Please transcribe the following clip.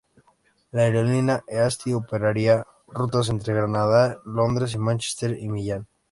La aerolínea Easyjet operaría rutas entre Granada y Londres, Manchester y Milán.